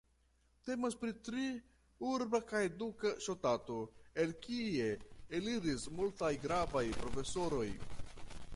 Temas pri tre urba kaj eduka ŝtato, el kie eliris multaj gravaj profesoroj.